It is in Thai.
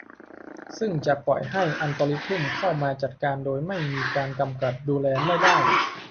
ซึ่งจะปล่อยให้อัลกอริทึมเข้ามาจัดการโดยที่ไม่มีการกำกับดูแลไม่ได้